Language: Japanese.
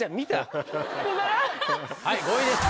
はい５位です。